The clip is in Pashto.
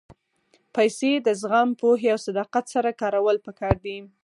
پېسې د زغم، پوهې او صداقت سره کارول پکار دي.